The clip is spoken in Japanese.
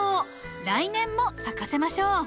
来年も咲かせましょう。